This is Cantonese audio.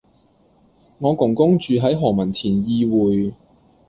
我公公住喺何文田懿薈